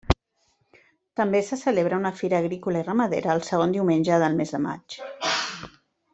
També se celebra una fira agrícola i ramadera el segon diumenge del mes de maig.